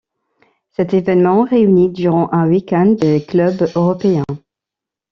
Cet évènement réunit durant un week-end des clubs européens.